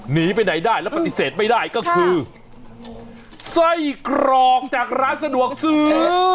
หนีไปไหนได้แล้วปฏิเสธไม่ได้ก็คือไส้กรอกจากร้านสะดวกซื้อ